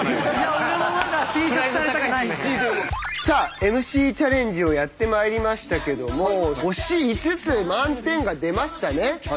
さあＭＣチャレンジをやってまいりましたけども星５つ満点が出ましたね。